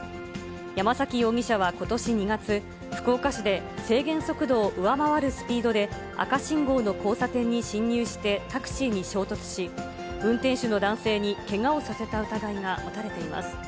山崎容疑者はことし２月、福岡市で制限速度を上回るスピードで赤信号の交差点に進入してタクシーに衝突し、運転手のだんせいにけがをさせた疑いが持たれています。